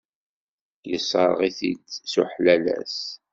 Yesserɣ-it-id s uḥlalas.